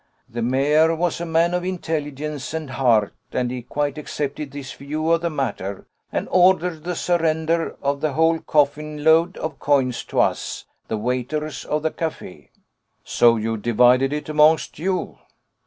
The mayor was a man of intelligence and heart, and he quite accepted this view of the matter, and ordered the surrender of the whole coffin load of coins to us, the waiters of the café." "So you divided it amongst you."